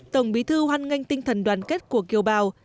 tổng bí thư hoan nghênh tinh thần đoàn kết của kiều bào